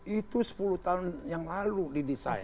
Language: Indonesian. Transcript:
itu sepuluh tahun yang lalu didesain